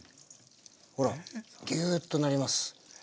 ほらギューッとなります。